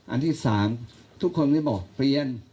อันที่๓ทุกคนนี้บอกเปลี่ยน